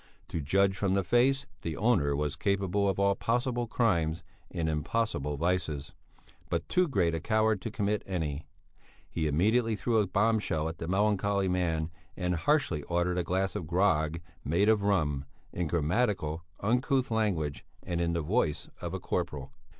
To judge from the face, the owner was capable of all possible crimes and impossible vices, but too great a coward to commit any. He immediately threw a bombshell at the melancholy man, and harshly ordered a glass of grog made of rum, in grammatical, uncouth language and in the voice of a corporal.